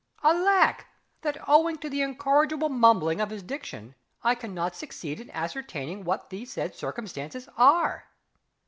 ... Alack, that, owing to the incorrigible mumbling of his diction, I cannot succeed in ascertaining what these said circumstances are!...